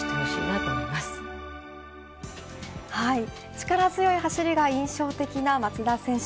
力強い走りが印象的な松田選手